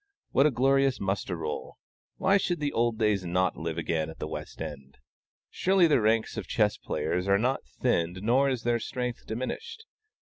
What a glorious muster roll! Why should the "old days" not live again at the West End? Surely the ranks of chess players are not thinned, nor is their strength diminished.